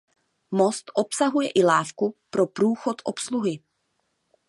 Most obsahuje i lávku pro průchod obsluhy.